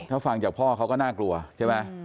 ถ้าฟังจากพ่อเขาก็น่ากลัวใช่ไหม